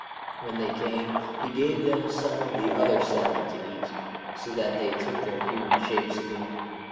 When they came he gave them some of the other salad to eat, so that they took their human shapes again.